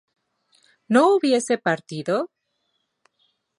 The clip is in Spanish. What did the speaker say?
¿no hubiese partido?